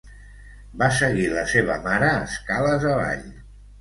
Va seguir la seva mare escales avall.